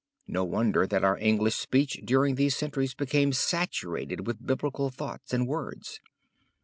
No wonder that our English speech during these centuries became saturated with biblical thoughts and words.